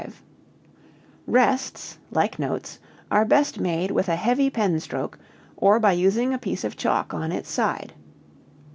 Rests, like notes, are best made with a heavy pen stroke or by using a piece of chalk on its side.